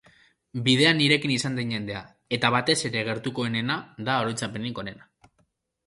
Bidean nirekin izan den jendea eta batez ere gertukoenena da oroitzapenik onena.